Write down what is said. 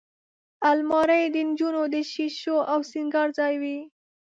الماري د نجونو د شیشو او سینګار ځای وي